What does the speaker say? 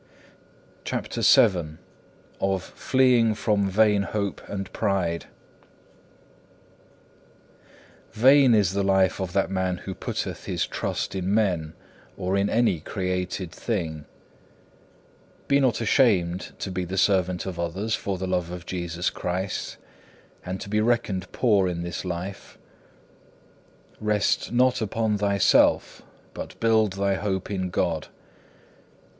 CHAPTER VII Of fleeing from vain hope and pride Vain is the life of that man who putteth his trust in men or in any created Thing. Be not ashamed to be the servant of others for the love of Jesus Christ, and to be reckoned poor in this life. Rest not upon thyself, but build thy hope in God.